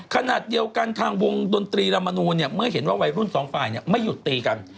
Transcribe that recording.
ขณะเดียวกันทางวงดนตรีลามนูลเมื่อเห็นว่าวัยรุ่นสองฝ่ายไม่หยุดตีกัน